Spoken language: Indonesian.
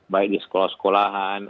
baik di sekolah sekolahan